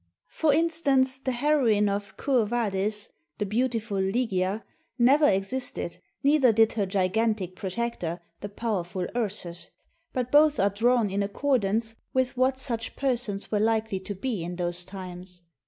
For instance, the heroine of " Quo Vadis," the beautiful Lygia, never existed, neither did her gigantic protector, the powerful Ursus ; but both are drawn in accordance with what such persons were likely to be in those times.